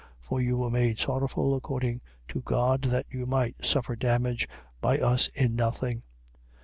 For you were made sorrowful according to God, that you might suffer damage by us in nothing.